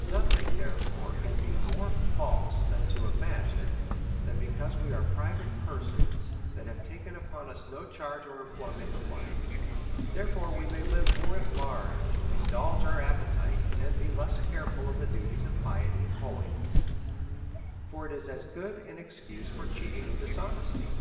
Nothing, therefore, can be more false than to ima gine, that because we are private persons that have taken upon us no charge or employment of life, that therefore we may live more at large, indulge our ap petites, and be less careful of the duties of piety and hohness ; for it is as good an excuse for cheating and dishonesty.